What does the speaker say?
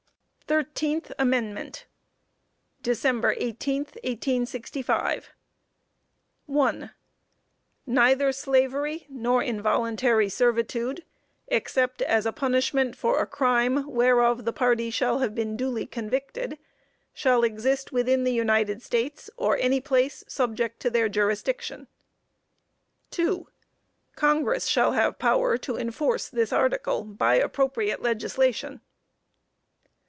THIRTEENTH AMENDMENT. DECEMBER 18, 1865. "1. Neither slavery nor involuntary servitude, except as a punishment for crime, whereof the party shall have been duly convicted, shall exist within the United States, or any place subject to their jurisdiction." "2. Congress shall have power to enforce this article by appropriate legislation."